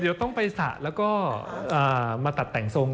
เดี๋ยวต้องไปสระแล้วก็มาตัดแต่งทรง